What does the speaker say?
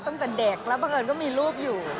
ตั้งแต่เด็กแล้วบังเอิญก็มีรูปอยู่